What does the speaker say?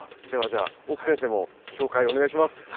ではじゃあ奥先生も紹介お願いします。